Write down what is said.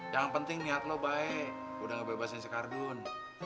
yang penting niat lo baik udah gak bebasin si kardun